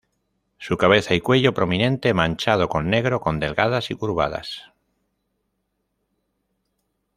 Su cabeza y cuello prominente manchado con negro, con delgadas y curvadas.